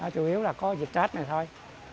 chủ yếu là có dịch trách này thôi